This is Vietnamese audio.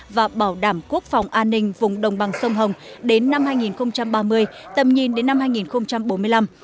và bảo đảm quốc phòng an ninh vùng đồng bằng sông hồng đến năm hai nghìn ba mươi tầm nhìn đến năm hai nghìn bốn mươi năm